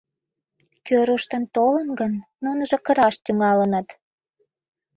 Кӧ руштын толын гын, нуныжо кыраш тӱҥалыныт.